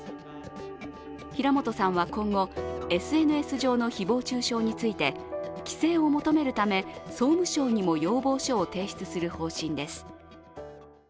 平本さんは今後、ＳＮＳ上の誹謗中傷について規制を求めるため、総務省にも要望書を提出する方針です。